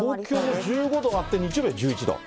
東京１５度あって、日曜日は１１度。